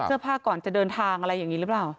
เสื้อผ้าก่อนจะเดินทางอะไรอย่างนี้หรือเปล่า